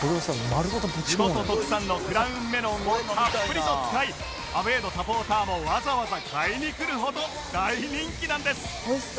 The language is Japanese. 地元特産のクラウンメロンをたっぷりと使いアウェーのサポーターもわざわざ買いに来るほど大人気なんです